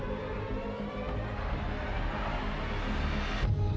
masih ada yang mau ngomong